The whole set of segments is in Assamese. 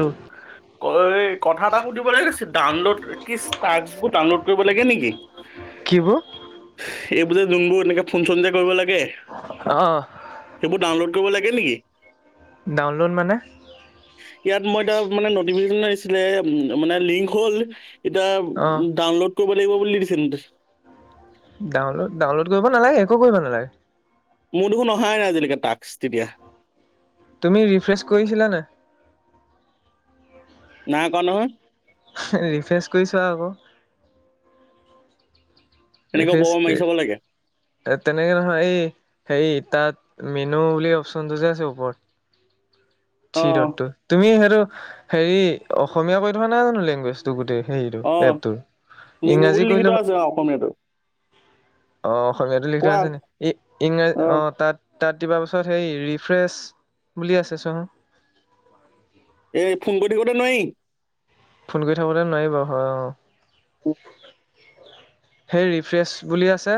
[inaudible] কথা এটা সুধিব লাগে ডাউনলোড কি টাক্সবোৰ ডাউনলোড কৰিব লাগে নেকি? কিবোৰ? এইবোৰ যে যোনবোৰ এনেকৈ ফোন চোন যে কৰিব লাগে অঁ সেইবোৰ ডাউনলোড কৰিব লাগে নেকি? ডাউনলোড মানে। মোৰ এতিয়া নটিফিকেশ্বন আহিছিলে লিংক হ'ল, এতিয়া অঁ ডাউনল'দ কৰিব লাগিব বুলি দিছে ডাউনলোড ডাউনলোড কৰিব নালাগে একো কৰিব নালাগে। মোৰ দেখোন অহাই নাই আজিলৈকে তাক্স তেতিয়া। তুমি ৰিফ্ৰেছ কৰিছিলা নে নাই কৰা নহয়। ৰিফ্ৰেছ কৰি চোৱা আকৌ। এনেকে বৰ মাৰি ৰিফ্ৰেছ চাব লাগে তেনেকে নহয় এই হেৰিত। তাত মেনু বুলি অপচন টো যে আছে ওপৰত অ থ্ৰি দতটো তুমি হেতো। হেৰি অসমীয়া কৈ থকা নাই জানো লেংগুৱেজটো গোটেই। হেৰিটো অ এপটোৰ মেনু বুলি ইংৰাজী লিখি কৰিলে। থোৱা আছে অ অসমীয়াটো অ, অসমীয়াতো লিখা কোৱা আছে নে ই- ইংৰা অ, তাত। তাত দিবা পাছত সেই ৰিফ্ৰেছ বুলি আছে চোৱাচোন। এই ফোন কৰি থাকোতে নোৱাৰি। ফোন কৰি থাকোতে নোৱাৰিব হয় অ, সেই ৰিফ্ৰেছ বুলি আছে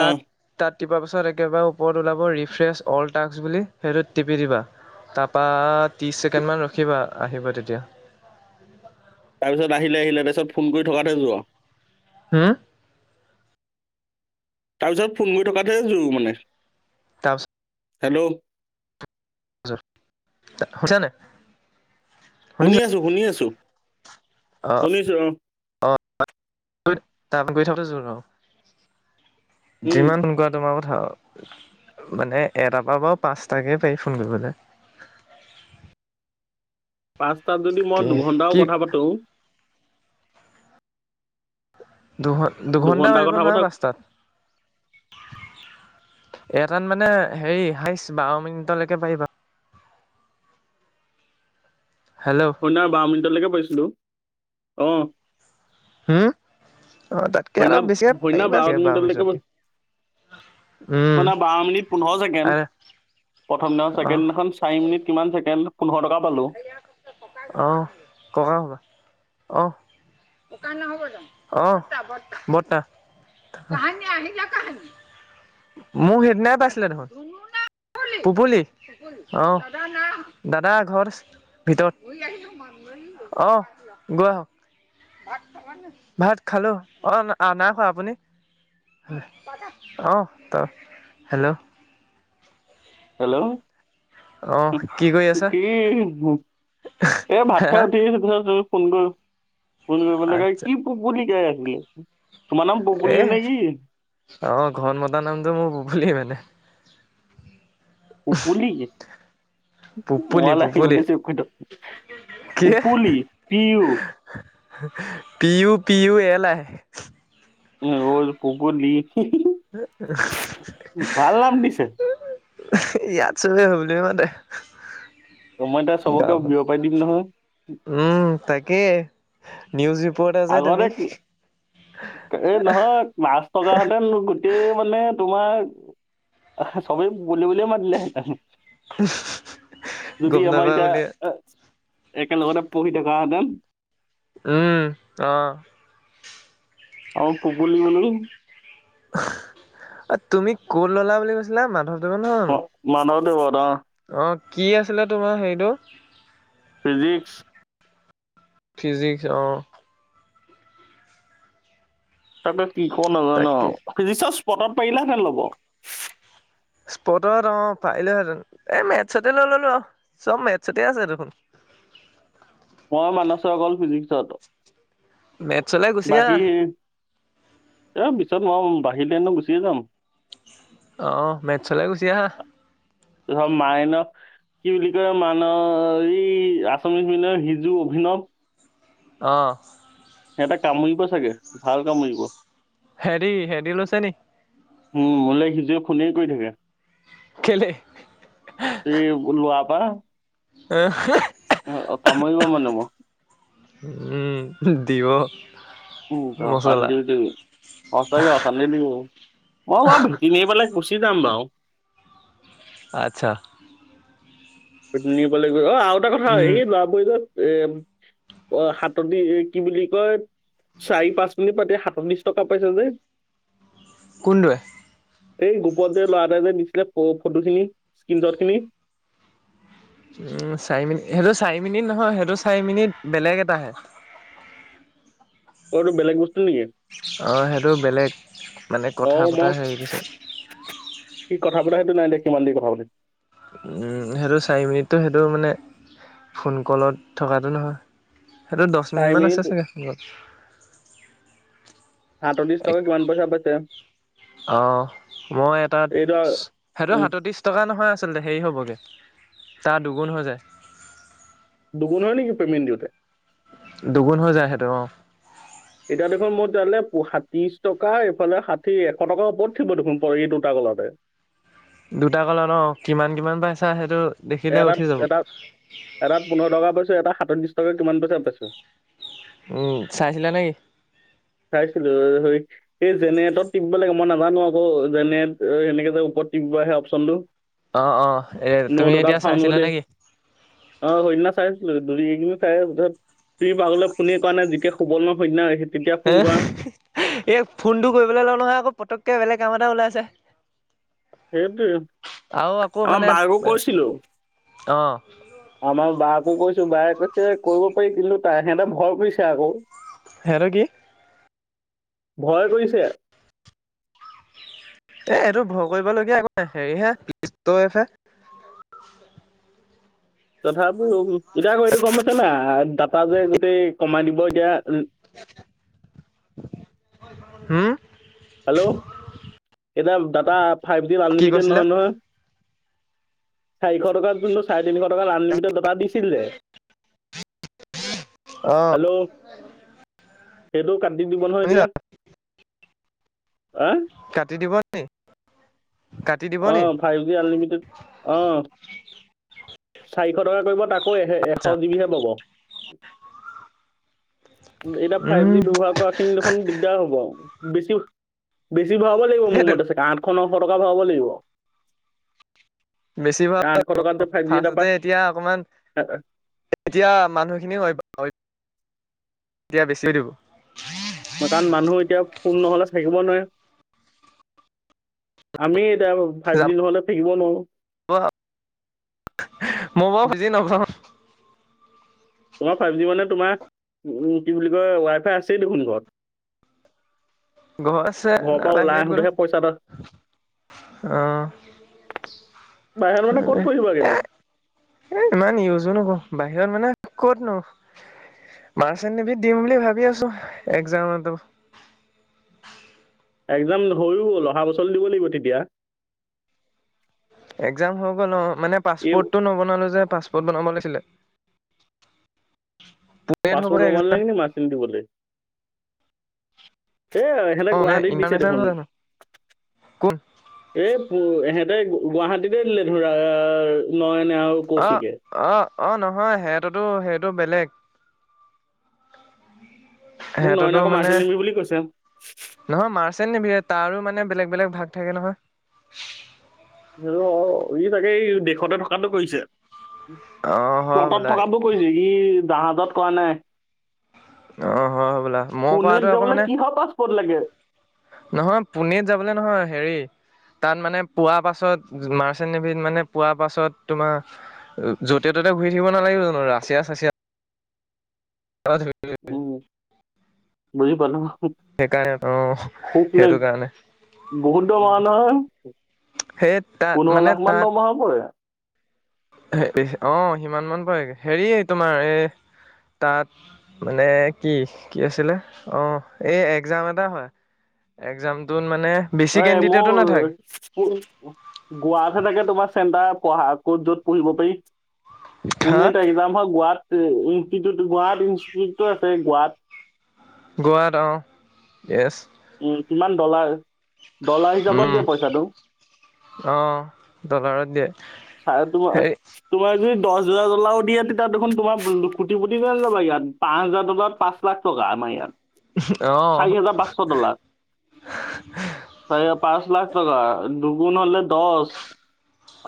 তাত, তাত। টিপা পাছত একেবাৰে ওপৰত ওলাব ৰিফ্ৰেছ অল টাক্স বুলি সেইটোত টিপি দিবা। তাপা ত্ৰিশ ছেকেণ্ড মান ৰখিবা আহিব তেতিয়া। তাৰপিছত আহিলে-আহিলে তাৰপিছত ফোন কৰি থকাতহে জোৰ আৰু। হাহ, তাৰপিছত ফোন কৰি থকাতহে জোৰ মানে। তাৰপাছ হেল্ল', হৈছে নে নাই। শুনি আছো, শুনি আছো, অ শুনিছো অহ তাত গৈ থাকোতে জোৰ আৰু উম যিমান সোনকালে তোমাৰ। হ, মানে এটাৰ পৰা বাৰু পাচটাকৈ পাৰি ফোন কৰিবলৈ। [inaudible] পাঁচটাত যদি মই কি দুঘন্টাও কি কথা পাতো। দুঘ-দুঘণ্টা দুঘন্টা পাতিব কথা পতা নোৱাৰে পাচটাত। এটাত মানে হেৰি হাইচ বাৰ মিনিটলৈকে পাৰিবা। হেল্ল' শুদিনা বাৰ মিনিটলৈকে পাৰিছিলো অ, হুম, হৈনা-হৈনা বাৰ মিনিটলৈকে। উম শৈনা বাৰ মিনিট পোন্ধৰ ছেকেণ্ড। আৰে প্ৰথম দিনাখন অহ ছেকেণ্ডদিনাখন চাৰি মিনিট কিমান ছেকেণ্ড পোন্ধৰ টকা পালো। অ', ক'কা [unintelligible] অ'। ককা নহব জানো অ, বৰ্ত্তা-বৰ্ত্তা-বৰ্ত্তা। কাহানি আহিলা কাহানি মোক সেইদিনাই পাইছিলে দেখুন। পুপুলি অ, দাদা নাই অহা দাদা ঘৰত আছে। ভিতৰত অ'ম, গৈ আহক। ভাত খালো অ, নাই খোৱা আপুনি। অ, ত হেল্ল', হেল্ল', অহ কি কৰি আছা কি এ ভাত হা খাই হা উঠিছিলো পিছত তুমি। ফুন কৰো, ফুন কৰিব লগিয়া আচ্ছা কি পুপুলি কৰি আছিলি। এহ অ, ঘৰত মতা নামটো মোৰ পুপুলি মানে। পুপুলি? পুপুলি ৱাল আহি পুপুলি বুলি চেফ কৰি থ। কি পুপুলি পি ইউ পিউ-পিউ। তেলাই। পুকুলি, ভাল নাম দিছে। ইয়াত চবেই হেই বুলিয়ে মাতে। তো মই এতিয়া চবকে গাও বিয়পাই দিম নহয় উম, তাকে নিউজ। ক'ত আছে তুমি এই নহয় পাচ থকা হলে গোটেই মানে তোমাৰ সবেই বুলি বুলিয়ে মাতিলে। [unintelligible] [unintelligible] যদি গম আমাৰ নাপা এতিয়া বুলি এ একেলগতে পঢ়ি থকাহেঁতেন উম, অ'। অ', পুবুল বোলো অ' তুমি কত ল'লা বুলি কৈছিলা মাধৱ? অ। [unintelligible] অ', কি আছিলে তোমাৰ হেৰিটো? ফিজিক্স ফিজিক্স অ'। তাকে কি ক নাজান ন তাকে ফিজিক্সত স্পটত পাৰিলেহে ল'ব। স্প'ৰ্টত অ', পাৰিলে হেতেন। এ', মেথছতে লৈ ল'লোঁ আৰু, চব মেথছতে আছে দেখোন। [inaudible] মই মানচৰ অকল ফিজিক্সত। মেথছলে গুচি আহা বাকী সেয় অ', পিছত মই। [unintelligible] [unintelligible] এনেও গুচি যাম। অ' মেথছলৈ গুচি আহা। [unintelligible] মাইনত কি বুলি কয় মান এই আচামিচ মিডিয়ামৰ হিজু অভিনৱ। অ '। সিহটা কামুৰিব চাগে ভাল কামুৰিব। হেৰি, হেৰি লৈছে নি? যে ফোনে কৰি থাকে কেলে সেই লোৱাৰ পৰা। [unintelligible] অ', অ' কামুৰিব মানে। [unintelligible] উম দিব। উম। মচলা [unintelligible] সঁচাকে অখানতি দিব মই বা ভেটি নি পেলাই গুচি যাম বাৰু। আচ্ছা। নিব লাগিব অ। আৰু এটা কথা হে উম এই লৰা [unintelligible] এ অ' সাতদি কি বুলি কয় চাৰি পাঁচ মিনিট পাতি সাতল্লিশ টকা পাইছা যে। কোনতোয়ে? এই গ্ৰুপত যে, ল'ৰাটোৱে যে দিছিলে ফটোখিনি, স্ক্ৰীনশ্বটখিনি উম চাৰি মিনিট সেইটো চাৰি মিনিট নহয় সেইটো চাৰি মিনিট বেলেগ এটাহে। অ' এতো বেলেগ বস্ত অ' সেইটো বেলেগ মানে অ কথা পতা মই হেৰি। [unintelligible] কি কথা পতা, সেইটো নাই দেখুৱা, কিমান দেৰি কথা পাতে? উম, সেইটো চাৰি মিনিটটো। সেইটো মানে ফোন কলত থকাটো নহয় সেইটো দচ চাৰি মিনিটমান মিনিট আছে চাগে ফোনত। সাতত্ৰিছ টকা কিমান পইচা পাইছে? অ', মই এটাত, এইটো সেইটো উম, সাতত্ৰিশ টকা নহয় আছে আচলতে হেৰি হ'বগে, তাৰ দুগুণ হৈ যায়। দুগুন হয় নেকি পেমেন্ট দউতে? দুগুণ হৈ যায় সেতো অ'। এতিয়া দেখোন মই তেতিয়া হলে সাত্ৰিশ টকা এইফালে ষাঠি এশ টকাৰ ওপৰত থিব দেখোন। [unintelligible] [unintelligible] দুটা কলত অ' কিমান কিমান পাইছা সেইটো দেখিলে এটাত উঠি যাব এটাত এটাত পোন্ধৰ টকা পাইছ এটা সাতত্ৰিছ টকা কিমান পইচা পাইছ? উম, চাইছিলা নেকি? চাইছিলো, সেই এই জেনেৰেটত টিপব লাগে। মই নাজানো আকৌ জেনেৰেটৰ সেণেকে যে উপৰ তিপিব আহে অপচনটো। অঁ অঁ এ ন, তুমি দহ টা এতিয়া ফাওন চাইছিলা গলে নেকি অ সিদিনা চাইছিলো তু চাই তাই লৈ কোনে কাৰণে জিকে সুবৰ্ণ সৈন্য সেইট এই ফোনটো কৰিবলৈ লওঁ নহয়, আকৌ পতককে বেলেগ কাম এটা ওলাই যে,,,, সেইটো মানে আমাৰ বাক ও কৈছিলো। অ আমাৰ বাক। [unintelligible] কৈছো। বাই কৈছে কৰিব পাৰি কিন্তু তাই সিহঁততে ভয় কৰিছে আকৌ। হেত কি? ভয় কৰিছে। এ', এইটো ভয় কৰিবলগীয়া একো নাই। হেৰি হে [unintelligible] হে তথাপিও এইটো কম আছে না দাটা যে গোটেই কমাই দিব এতিয়া হম। হেল্ল', এতিয়া ডাটা ফাইভ-জি কি আনলিমিটেড কৈছিলা নহয়, নহয় চাৰিশ টকাত যোনটো চাৰে তিনিশ টকাৰ আনলিমিটেড ডাটা দিছিলে। অ হেল্ল' সেইটো কাটি দিব নহয় শুনিছা এতিয়া। হা কাটি দিব নি? কাটি দিব নি অঁ ফাইভ জি আনলিমিটেড অঁ চাৰিশ টকা কৰিব তাক আকৌ এশ আচ্ছা জিবি হে পাব। এতিয়া ফাইভ উম জি ব্যৱহাৰ কৰা খিনি দেখোন দিগদাৰ হ'ব। আৰু বেছি বেছি ভৰাব লাগিব, মোৰ সেইটো মতে, চাগে আঠশ-নশ টকা ভৰাব লাগিব। বেছিভাগ আঠশ টকাতে লৰাই ফাইভ জি এটা পায় ফাৰস্ততে এতিয়া অকমান এতিয়া মানুহখিনিও হয়। এতিয়া বেছিওঁ দিব। কাৰণ মানুহ এতিয়া ফোন নহলে থাকিব নোৱাৰে। আমি এতিয়া ফাইভ যাব জি নহলে থাকিব নোৱাৰো। মই বাৰু বুজি নাপাওঁ। তোমাৰ ফাইভ-জি মানে, তোমাৰ, কি বুলি কয়? ৱাই-ফাই আছেই দেখোন ঘৰত। ঘৰ আছে। ঘৰৰ পৰা নাই ওলাই বাহিৰত আহোঁতেহে পইচা এটা গলে। বাহিৰত মানে ক'ত অহ। পঢ়িবা কিন্তু এ ইমান ইউজো নকও। বাহিৰত মানে ক'ত নো মাৰ্চেল নেৱীত দিম বুলি ভাবি আছো একজাম টো। এক্জাম হৈও গ'ল। অহা বছৰ দিব লাগিব তেতিয়া। একজাম হৈ গ'ল অহ। মানে এই পাছপোৰ্ট টো নবনালো যে পাছপোৰ্ট আগতে বনাব লাগিছিলে। পুনেত পাছ হ'ব ৰমাল একজাম লাগিনি মাচিন দিবলে এ সিহঁতে অ মানে গুৱাহাটীত দিছে ইণ্টাৰনেশ্যনেল দেখোন নহয় জানো কোন এ ইহঁতে গুৱাহাটীতে দিলে ধৰা নয়নে আৰু অ, কৌশিকে অ, অ নহয় সিহঁতে সিহঁতৰ সেইটো বেলেগ। মোক নয়নে সিহঁততো আকৌ মানে মাৰ্চেণ্ট নিবি বুলি কৈছে নহয় মাৰ্চ মাৰ্চেল নেভি তাৰো মানে বেলেগ বেলেগ ভাগ থাকে নহয়। অহ, ই চাগে দেশতে থকাটো কৰিছে। অ হয় প্লটত বোলা থকাবোৰ কৰিছে সি জাহাজত কৰা নাই। অ হয় বোলা মই কৰাটো পুনেত আকৌ যাবলৈ মানে কিহৰ পাছপোৰ্ট লাগে। নহয় পুনেত যাবলৈ নহয় হেৰি।। তাত মানে পোৱাৰ পাছত, মাৰ্চেণ্ট নেভিত মানে পোৱাৰ পাছত, তোমাৰ য'তে ত'তে ততে ঘূৰি থাকিব নালাগিব জানোঁ ৰাছিয়া, চাচিয়া? [inaudible] উম, বুজি পালো সেইকাৰণে অ', সুখ লাগে সেইটোকাৰণে বহুত দৰমহা নহয়। সেই তাত পোন্ধৰ মানে লাখ মান তাত দৰমহা পৰে। অ', সিমান মান পৰেগে হেৰি তোমাৰ এই তাত মানে কি, কি আছিলে, অ', এই একজাম এটা হয়। একজামটোত মানে বেছি এ, কেণ্ডিডেটো মোৰ নাথাকে গোৱাতহে থাকে তোমাৰ চেন্টাৰ। পঢ়া ক'ত, য'ত পঢ়িব পাৰি, হা পুনেত একজাম হয়, গোৱাত ইনষ্টিউত গোৱাত ইনষ্টিউটো আছে গোৱাত। গোৱাৰাৰ অ', এছ উম, কিমান ডলাৰ ডলাৰ হিচাপত উম, দিয়ে পইচাটো। অ', ডলাৰত দিয়ে [unintelligible] হেৰি তোমাৰ যদি দচ হাজাৰ ডলাৰো দিয়ে, তেতিয়া দেখোন তোমাৰ কোটি পটি যাব ইয়াত, পাঁচ হাজাৰ ডলাৰ পাঁচ লাখ টকা। আমা ইয়াত, অ', চাৰি হাজাৰ পাঁচশ ডলাৰ, চাৰি হাজাৰ পাঁচ পাঁচ লাখ টকা, দুগুণ হ'লে দচ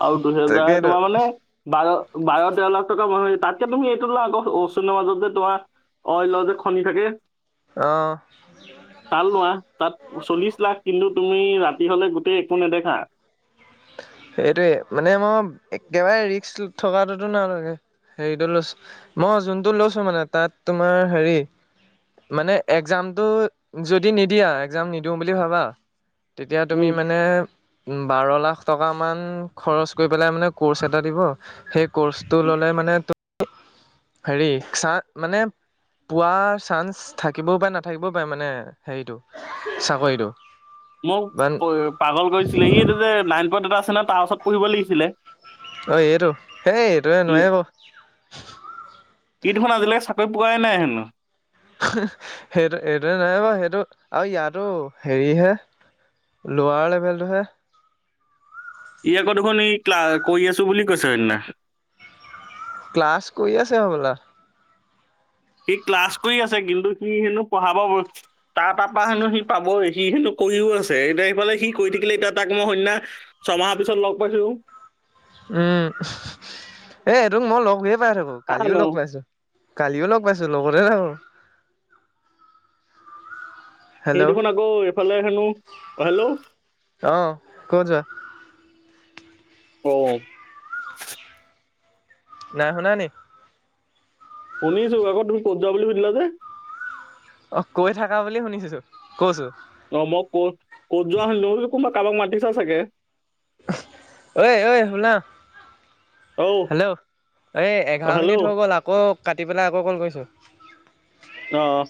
আৰু দুহেজাৰ তাকেইতো তোমাৰ মানে বাৰ বাৰ, তেৰ লাখ টকা মানুহ তাতকে তুমি এইটো লা আকৌ [unintelligible] মাজত যে, তোমাৰ অইলৰ যে, খনি থাকে। অ', তাল লোৱা তাত চল্লিশ লাখ কিন্তু তুমি ৰাতি হ'লে গোটেই একো নেদেখা? সেইটোয়ে মানে মই একেবাৰে ৰিক্ক থকাটোতো নালাগে হেৰিটো লৈছো মই যোনটো লৈছো মানে তাত তোমাৰ হেৰি মানে একজামতটো যদি নিদিয়া একজাম নিদিওঁ বুলি ভাবা তেতিয়া তুমি উম মানে বাৰ লাখ টকামান খৰচ কৰি পেলাই মানে ক'ৰ্চ এটা দিব সেই ক'ৰ্চটো ল'লে মানে তো হেৰি চাহ মানে পোৱাৰ চান্স থাকিবও পাৰে নাথাকিবও পাৰে মানে হেৰিটো চাকৰিটো। মোক বান প পাগল কৰিছিলে, ই যে নাইন পত এটা আছে ন তাৰ ওচৰত পঢ়িব লাগিছিলে অ এইটো সেই এইটোৱে ই নোৱাৰি বাও। ই দেখোন আজিলৈকে চাকৰি পোৱাই নাই হেনো। সেইটো এইটোৱে নাই বাৰ সেইটো আৰু ইয়াতো হেৰিহে লোৱা লেভেলটোহে। ই আকৌ দেখোন এই ক্লা কৰি আছো বুলি কৈছে সেইদিনা। ক্লাছ কৰি আছে হ'বলা। সি ক্লাছ কৰি আছে কিন্তু সি হেনো পঢ়াব তাৰ ত পা পা হেনো সি পাবই সি হেনো কৰিও আছে এতিয়া সেইফালে সি কৰি থাকিলে এতিয়া তাক মই সন্ন্যা ছয়মাহৰ পিছত লগ পাইছো। উম এ সেই তোক মই লগ হৈয়ে পাই থাকো আহ কালিও ন লগ পাইছো। কালিও লগ পাইছো লগতে থাকো। সি হেল্ল' দেখোন আকৌ এইফালে হেনো, অ হেল্ল' অহ ক'ত যোৱা? অ। নাই শুনানি? শুনিছো আকৌ তুমি ক'ত যোৱা বুলি সুধিলা যে? অ কৈ থাকা বুলি শুনিছো কৈছো। কুমা কামাক মাটিছা চাগে। ঐ ঐ শুনা? অ হেল্ল' এই এঘাৰ হেল্ল' মিনিট হৈ গ'ল আকৌ। কাটি পেলাই আকৌ কল কৰিছোঁ অ',